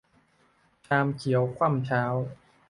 ชามเขียวคว่ำเช้า